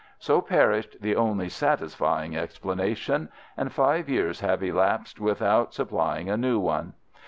So perished the only satisfying explanation, and five years have elapsed without supplying a new one.